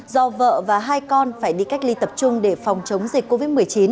do vợ và hai con phải đi cách ly tập trung để phòng chống dịch covid một mươi chín